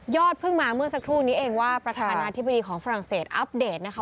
เพิ่งมาเมื่อสักครู่นี้เองว่าประธานาธิบดีของฝรั่งเศสอัปเดตนะคะ